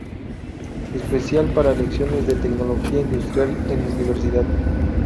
Especial para lecciones de Tecnología industrial en universidad.